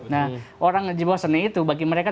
nah orang yang berjiwa seni itu bagi mereka